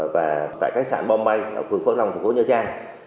và tại khách sạn bombay phường phước long tp nha trang